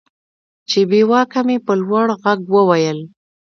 چې بېواكه مې په لوړ ږغ وويل.